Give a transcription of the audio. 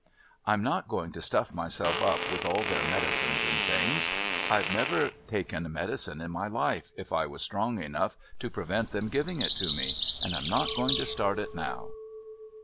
"I'm not going to stuff myself up with all their medicines and things. I've never taken medicine in my life if I was strong enough to prevent them giving it to me, and I'm not going to start it now."